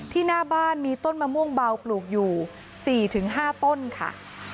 หน้าบ้านมีต้นมะม่วงเบาปลูกอยู่๔๕ต้นค่ะ